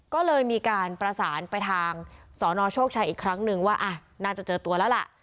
ก็เลยมีการประสานไปทางสนโชคชัยอีกครั้งนึงว่าน่าจะเจอตัวแล้วล่ะ